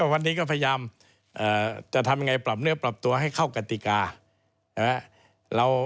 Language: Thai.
วันนี้ก็พยายามจะทำยังไงปรับเนื้อปรับตัวให้เข้ากติกา